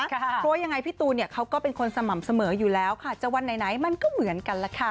เพราะว่ายังไงพี่ตูนเขาก็เป็นคนสม่ำเสมออยู่แล้วค่ะจะวันไหนมันก็เหมือนกันล่ะค่ะ